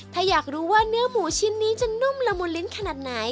ถ้าอยากรู้ว่าเนื้อหมูชิ้นนี้จะนุ่มละมุนลิ้นขนาดไหน